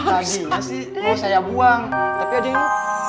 tadi masih saya buang tapi ada yang